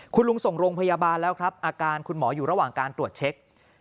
คุณลุงส่งโรงพยาบาลแล้วครับอาการคุณหมออยู่ระหว่างการตรวจเช็ค